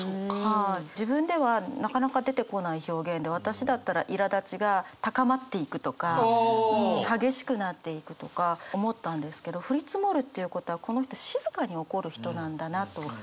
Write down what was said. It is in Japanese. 自分ではなかなか出てこない表現で私だったら「苛立ちが高まっていく」とか「激しくなっていく」とか思ったんですけど「降り積もる」っていうことはこの人静かに怒る人なんだなと。